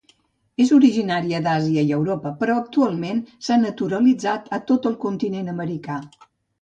És originària d'Àsia i Europa, però actualment s'ha naturalitzat a tot el continent americà.